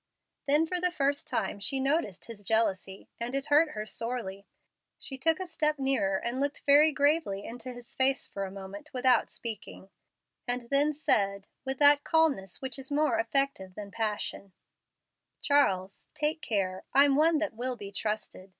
Then for the first time she noted his jealousy, and it hurt her sorely. She took a step nearer and looked very gravely into his face for a moment without speaking, and then said, with that calmness which is more effective than passion, "Charles, take care. I'm one that will be trusted.